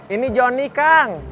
ini johnny kang